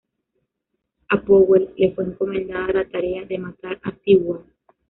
A Powell le fue encomendada la tarea de matar a Seward.